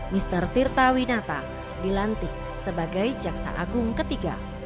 seribu sembilan ratus empat puluh enam mister tirta winata dilantik sebagai jaksa agung ketiga